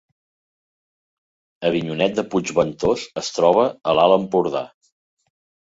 Avinyonet de Puigventós es troba a l’Alt Empordà